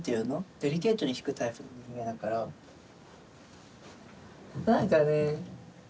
デリケートに弾くタイプの人間だから何かね